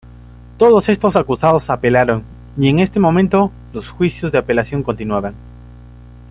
Todos estos acusados apelaron y en este momento los juicios de apelación continuaban.